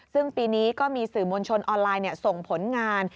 ซึ่งปีนี้ก็มีสื่อมวลชนออนไลน์ส่งผลงาน